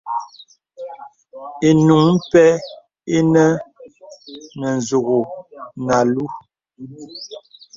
Ìnùŋ pɛ̂ inə nə nzùk nə alūū.